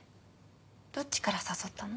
どっちから誘ったの？